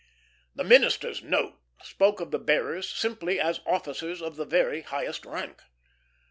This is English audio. The minister's note spoke of the bearers simply as officers of the very highest rank.